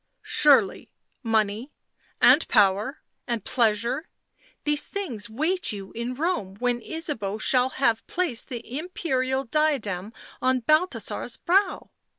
" Surely — money — and power and pleasure — these things wait you in Rome when Ysabeau shall have placed the imperial diadem on Balthasar's brow.